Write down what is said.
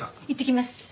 いってきます。